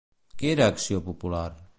Què era Acció Popular?